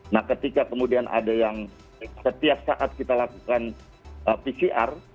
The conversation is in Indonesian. nah ketika kemudian ada yang setiap saat kita lakukan pcr